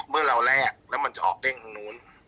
เมื่อเราแลกแล้วมันจะออกเด้งทางนู้น